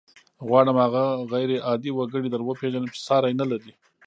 غواړم هغه غير عادي وګړی در وپېژنم چې ساری نه لري.